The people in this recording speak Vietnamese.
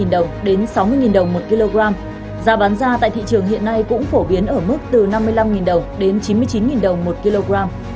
đồng đến sáu mươi đồng một kg giá bán ra tại thị trường hiện nay cũng phổ biến ở mức từ năm mươi năm đồng đến chín mươi chín đồng một kg